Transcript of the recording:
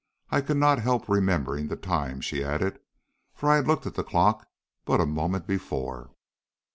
I could not help remembering the time," she added, "for I had looked at the clock but a moment before."